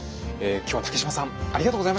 今日は竹島さんありがとうございました。